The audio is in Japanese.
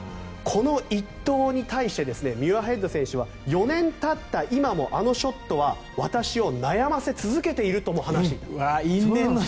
この１投に対してミュアヘッド選手は４年経った今もあのショットは私を悩ませ続けているとも話している。